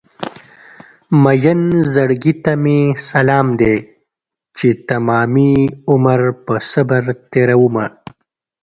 مين زړګي ته مې سلام دی چې تمامي عمر په صبر تېرومه